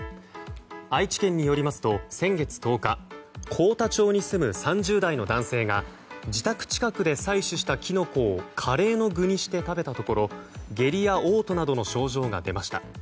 愛知県によりますと先月１０日幸田町に住む３０代の男性が自宅近くで採取したキノコをカレーの具にして食べたところ下痢や嘔吐などの症状が出ました。